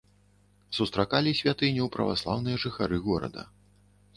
Сустракалі святыню праваслаўныя жыхары горада.